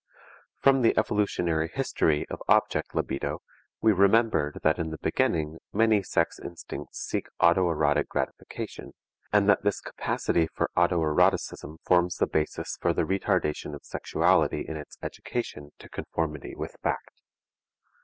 From the evolutionary history of object libido we remembered that in the beginning many sex instincts seek auto erotic gratification, and that this capacity for auto eroticism forms the basis for the retardation of sexuality in its education to conformity with fact.